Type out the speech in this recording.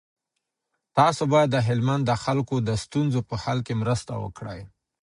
تاسو باید د هلمند د خلکو د ستونزو په حل کي مرسته وکړئ.